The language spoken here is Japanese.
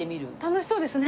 楽しそうですね。